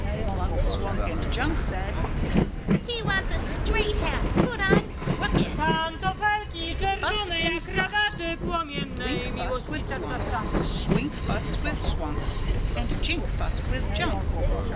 Blunk, Swunk and Junk said, "He wants a straight hat put on crooked." They fussed and fussed. Blink fussed with Blunk, Swink fussed with Swunk, and Jink fussed with Junk.